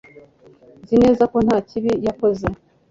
Nzi neza ko nta kibi yakoze